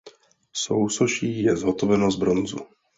Sousoší je zhotoveno z bronzu.